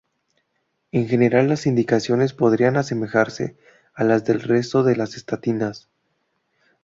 En general las indicaciones podrían asemejarse a las del resto de las estatinas.